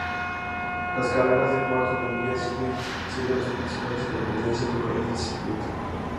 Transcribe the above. Las carreras de cuarto de milla siguen siendo las principales competencias locales del circuito.